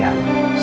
satu lagi aida